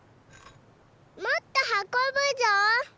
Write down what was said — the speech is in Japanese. もっとはこぶぞ！